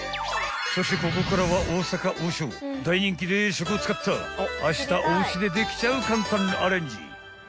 ［そしてここからは大阪王将大人気冷食を使ったあしたおうちでできちゃう簡単アレンジ］